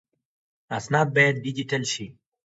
اسناد باید ډیجیټل شي